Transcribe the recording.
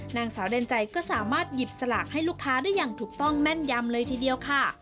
นางสาวแดนใจก็สามารถหยิบสลากให้ลูกค้าได้อย่างถูกต้องแม่นยำเลยทีเดียวค่ะ